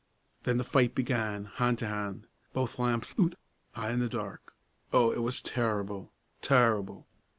"Then the fight began; han' to han'; both lamps oot; a' in the dark; oh, it was tarrible! tarrible!